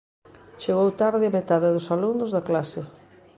Chegou tarde a metade dos alumnos da clase.